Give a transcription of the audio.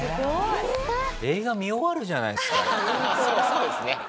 そうですね。